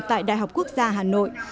tại đại học quốc gia hà nội